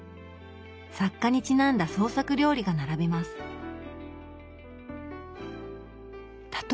作家にちなんだ創作料理が並びます。